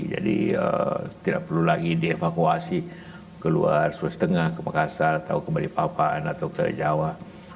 jadi tidak perlu lagi dievakuasi ke luar sulawesi tengah ke makassar atau kembali papaan atau ke jawa